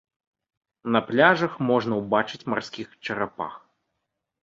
На пляжах можна ўбачыць марскіх чарапах.